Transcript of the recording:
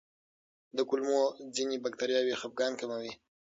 د کولمو ځینې بکتریاوې خپګان کموي.